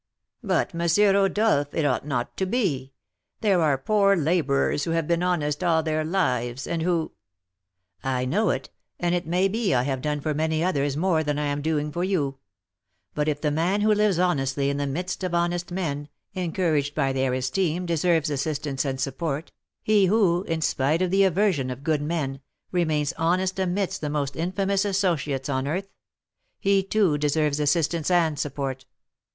"But, M. Rodolph, it ought not to be; there are poor labourers who have been honest all their lives, and who " "I know it, and it may be I have done for many others more than I am doing for you; but, if the man who lives honestly in the midst of honest men, encouraged by their esteem, deserves assistance and support, he who, in spite of the aversion of good men, remains honest amidst the most infamous associates on earth, he, too, deserves assistance and support.